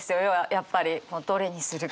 やっぱりどれにするか。